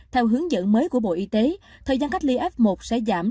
theo hướng dẫn mới của bộ y tế thời gian cách ly f một sẽ giảm